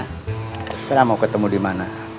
terserah mau ketemu dimana